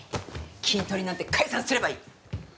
キントリなんて解散すればいい！